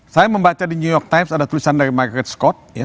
saya membaca di new york times ada tulisan dari market scott